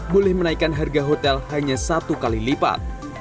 boleh menaikkan harga hotel hanya satu kali lipat